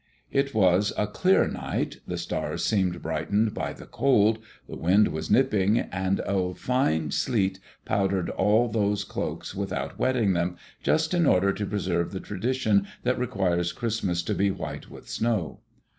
It was a clear night; the stars seemed brightened by the cold; the wind was nipping; and a fine sleet powdered all these cloaks without wetting them, just in order to preserve the tradition that requires Christmas to be white with snow.